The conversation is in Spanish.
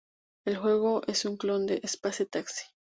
El juego es un clon de "Space Taxi".